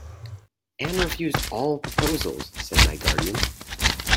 "And refused all proposals," said my guardian.